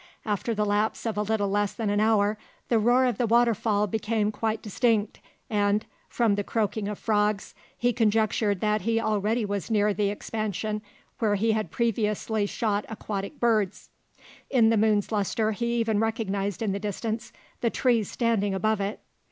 After the lapse of a little less than an hour the roar of the waterfall became quite distinct and, from the croaking of frogs, he conjectured that he already was near the expansion where he had previously shot aquatic birds. In the moon's luster he even recognized in the distance the trees standing above it.